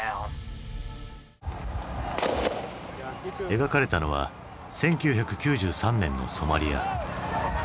描かれたのは１９９３年のソマリア。